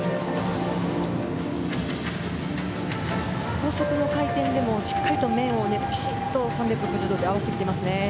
高速の回転でもしっかりと面を３６０度で合わせてきていますね。